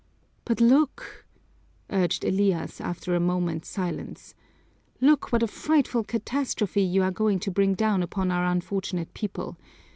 "But look," urged Elias, after a moment's silence, "look what a frightful catastrophe you are going to bring down upon our unfortunate people.